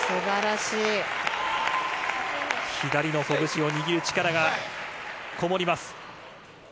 左の拳を握る力がこもります。